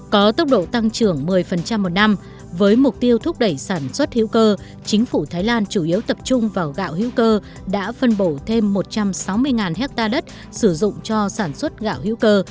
có tốc độ tăng trưởng một mươi một năm với mục tiêu thúc đẩy sản xuất hữu cơ chính phủ thái lan chủ yếu tập trung vào gạo hữu cơ đã phân bổ thêm một trăm sáu mươi ha đất sử dụng cho sản xuất gạo hữu cơ